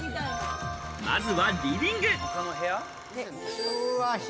まずはリビング。